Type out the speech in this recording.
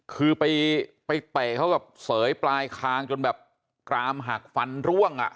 คือไปเตะเขากับเสยปลายคางจนแบบกรามหักฟันร่วงอ่ะ